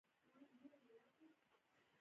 کورنی سکون د ژوند لویه خوشحالي ده.